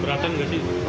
beratan gak sih